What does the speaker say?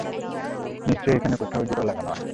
নিশ্চয়ই এখানে কোথাও জোড়া লাগানো আছে।